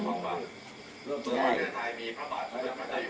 ใช่